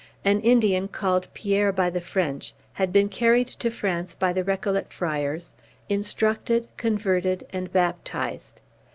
An Indian, called Pierre by the French, had been carried to France by the Récollet friars, instructed, converted, and baptized.